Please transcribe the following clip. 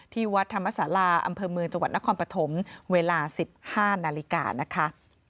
ที่วัดธรรมศาลาอำเภอเมืองจังหวัดนครปฐมเวลา๑๕นาฬิกานะคะ